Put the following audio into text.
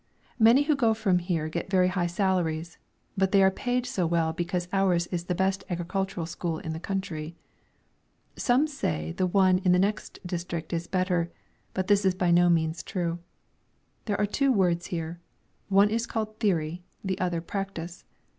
Many who go from here get very high salaries, but they are paid so well because ours is the best agricultural school in the country. Some say the one in the next district is better, but this is by no means true. There are two words here: one is called Theory, the other Practice.